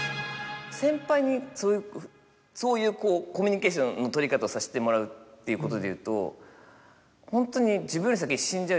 先輩にそういうコミュニケーションの取り方をさしてもらうっていうことでいうとホントに。